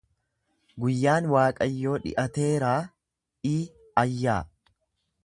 Guyyaan Waaqayyoo dhi’ateeraa iayyaa.